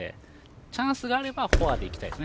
チャンスがあればフォアでいきたいですね。